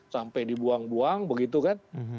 sampai dibuang buang begitu kan